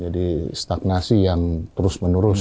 jadi stagnasi yang terus menerus